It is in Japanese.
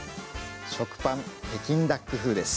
食パン北京ダック風です。